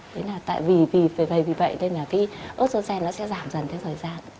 thế là tại vì vì vì vì vậy nên là cái ớt dô xen nó sẽ giảm dần theo thời gian